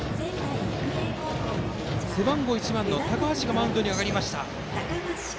背番号１番、高橋がマウンドに上がりました。